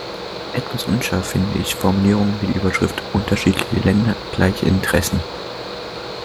Etwas unscharf finde ich Formulierungen wie die Überschrift "Unterschiedliche Länder, gleiche Interessen".